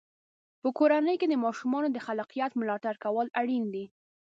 په کورنۍ کې د ماشومانو د خلاقیت ملاتړ کول اړین دی.